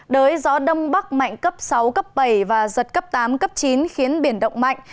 đới gió đông bắc mạnh cấp sáu cấp bảy và giật cấp tám cấp chín khiến biển động mạnh